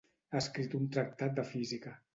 Ha escrit un tractat de física.